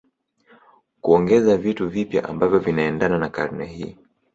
kuongeza vitu vipya ambavyo vinaendana na karne hii